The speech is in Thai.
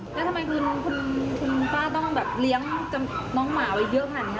แล้วทำไมคุณป้าต้องเลี้ยงน้องหมาเยอะหั่น